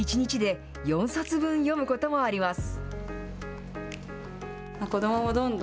１日で４冊分読むこともあります。